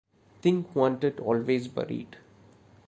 Thing wanted always buried.